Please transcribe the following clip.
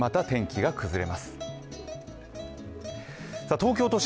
東京都心